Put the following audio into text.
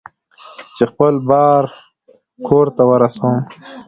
چې خپل بار کور ته ورسوم.